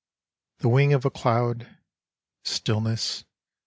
The wing of a cloud. Stillness.